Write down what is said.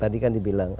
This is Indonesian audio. tadi kan dibilang